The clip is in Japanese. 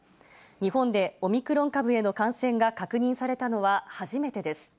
日本でオミクロン株への感染が確認されたのは初めてです。